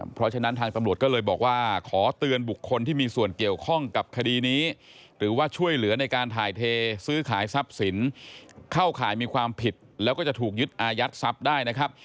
เพราะฉะนั้นทางตำรวจก็เลยบอกว่าขอเตือนบุคคลที่มีส่วนเกี่ยวข้องกับคดีนี้หรือว่าช่วยเหลือในการถ่ายเทซื้อขายทรัพย์สินเข้าข่ายมีความผิดแล้วก็จะถูกยึดอายัดทรัพย์ได้นะครับ